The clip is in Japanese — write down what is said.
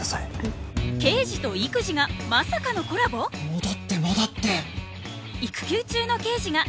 戻って戻って。